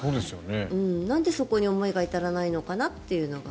なんでそこに思いが至らないのかなと。